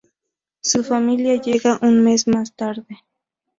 Su familia llega un mes más tarde.